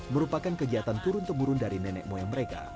merupakan kegiatan turun temurun dari nenek moyang mereka